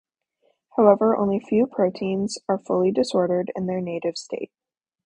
However, only few proteins are fully disordered in their native state.